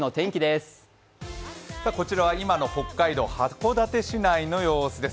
こちらは今の北海道函館市内の様子です